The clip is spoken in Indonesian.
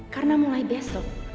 karena mulai besok